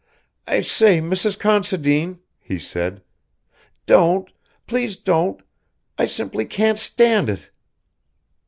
"I say, Mrs. Considine," he said. "Don't please don't I simply can't stand it."